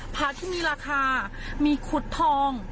ผ้าที่มีราคามีขุดทอง